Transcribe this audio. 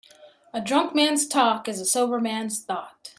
A drunk man's talk is a sober man's thought.